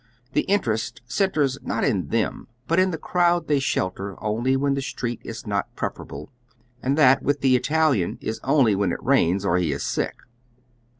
The interest centres not in them, but in the crowd they ehelter only when the street is not preferable, and that with the Italiaa is only when it rains or he is sick.